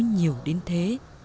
nhiều đến thế